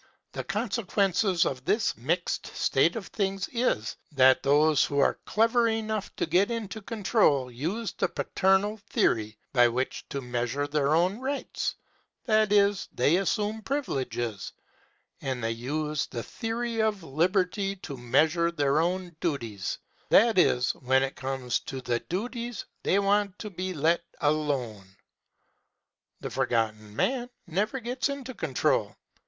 The consequence of this mixed state of things is, that those who are clever enough to get into control use the paternal theory by which to measure their own rights that is, they assume privileges; and they use the theory of liberty to measure their own duties that is, when it comes to the duties, they want to be "let alone." The Forgotten Man never gets into control.